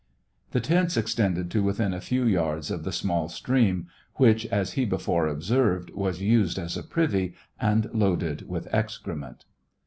The tents extended to within a few yards of the small stream, which , as he before observed, was used as a privy, and loaded with excrement.